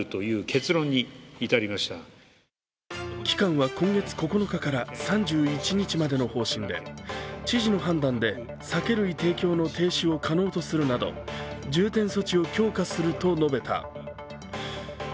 期間は今月９日から３１日までの方針で知事の判断で酒類提供の停止を可能とするなど重点措置を強化すると述べた。